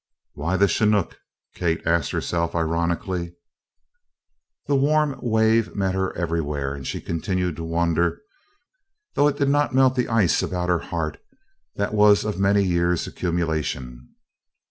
"Why the chinook?" Kate asked herself ironically. The warm wave met her everywhere and she continued to wonder, though it did not melt the ice about her heart that was of many years' accumulation.